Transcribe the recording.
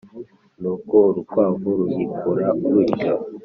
nuko urukwavu ruhikura rutyo.